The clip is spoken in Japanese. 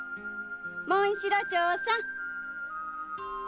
モンシロチョウさん！